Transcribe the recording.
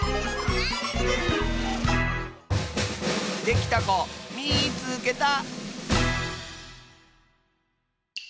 できたこみいつけた！